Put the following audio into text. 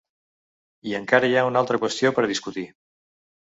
I encara hi ha una altra qüestió per a discutir.